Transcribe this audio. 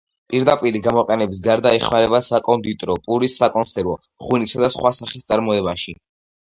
პირდაპირი გამოყენების გარდა იხმარება საკონდიტრო, პურის, საკონსერვო, ღვინისა და სხვა სახის წარმოებაში.